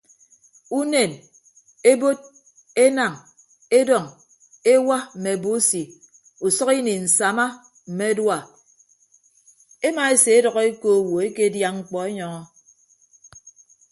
Unen ebod enañ edọñ ewa mme abusi usʌk ini nsama mme adua emaeseedʌk eko owo ekedia mkpọ enyọñọ.